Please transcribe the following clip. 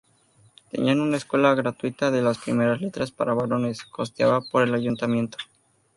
Tenía una escuela gratuita de primeras letras para varones, costeada por el ayuntamiento.